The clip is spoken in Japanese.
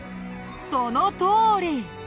そのとおり！